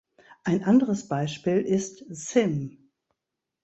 Ein anderes Beispiel ist Sim.